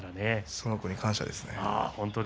その子に感謝ですね。